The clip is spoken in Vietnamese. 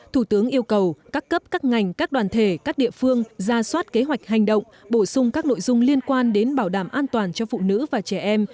thủ tướng yêu cầu các cấp các ngành các đoàn thể các địa phương ra soát kế hoạch hành động bổ sung các nội dung liên quan đến bảo đảm an toàn cho phụ nữ và trẻ em